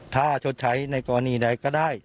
ถ้าชดใช้ในกรณีใดก็ได้